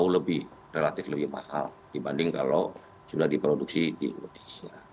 lebih relatif lebih mahal dibanding kalau sudah diproduksi di indonesia